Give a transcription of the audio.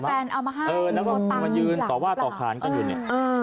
เหมือนแฟนเอามาห้างเออแล้วก็มันยืนต่อว่าต่อค้านกันอยู่เนี่ย